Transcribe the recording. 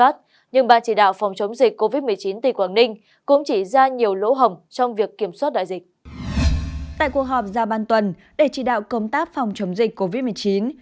tại cuộc họp ra ban tuần để chỉ đạo công tác phòng chống dịch covid một mươi chín